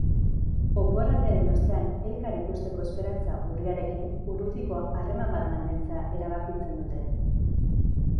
Oporraldiaren ostean elkar ikusteko esperantza urriarekin, urrutiko harreman bat mantentzea erabakitzen dute.